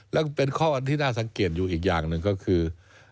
แล้วก็เป็นข้อที่น่าสังเกตอยู่อีกอย่างหนึ่งก็คือ